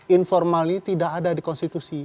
informali tidak ada di konstitusi